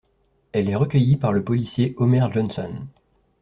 Elle est recueillie par le policier Homer Johnson.